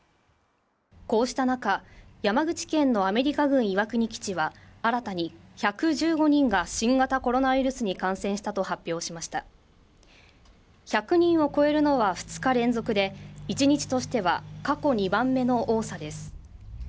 こうした中山口県のアメリカ軍岩国基地は新たに１１５人が新型コロナウイルスに感染したと発表しました１００人を超えるのは２日連続で１日としては過去２番目の多さです